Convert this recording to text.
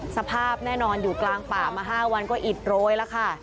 สภาพแน่นอนอยู่กลางป่ามา๕วันก็อิดโรยแล้วค่ะ